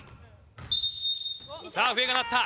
さあ笛が鳴った。